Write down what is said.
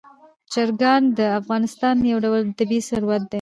چرګان د افغانستان یو ډول طبعي ثروت دی.